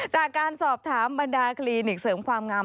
จากการสอบถามบรรดากรีนิสเซิงความงาม